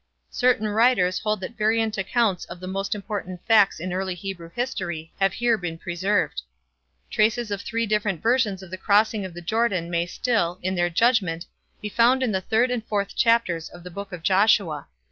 Certain writers hold that variant accounts of the most important facts in early Hebrew history have here been preserved. Traces of three different versions of the crossing of the Jordan may still, in their judgment, be found in the third and fourth chapters of the book of Joshua.